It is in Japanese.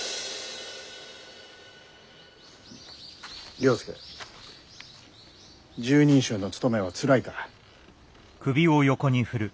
了助拾人衆の務めはつらいか？